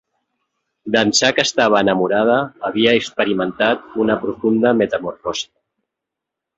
D'ençà que estava enamorada, havia experimentat una profunda metamorfosi.